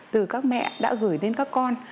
từ các mẹ đã gửi đến các con